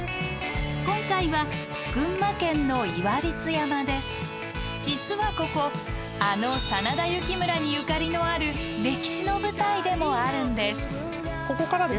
今回は群馬県の実はここあの真田幸村にゆかりのある歴史の舞台でもあるんです。